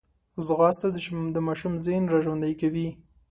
ځغاسته د ماشوم ذهن راژوندی کوي